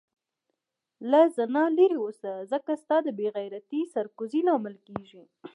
له زنا لرې اوسه ځکه ستا د بی عزتي سر کوزي لامل کيږې